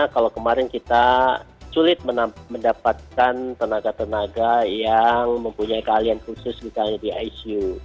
kalau kemarin kita sulit mendapatkan tenaga tenaga yang mempunyai keahlian khusus misalnya di icu